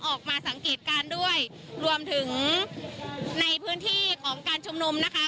ออกมาสังเกตการณ์ด้วยรวมถึงในพื้นที่ของการชุมนุมนะคะ